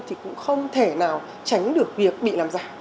thì cũng không thể nào tránh được việc bị làm giả